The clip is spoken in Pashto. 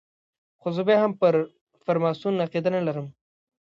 خو زه بیا هم پر فرماسون عقیده نه لرم.